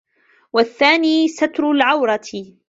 وَالثَّانِي سَتْرُ الْعَوْرَةِ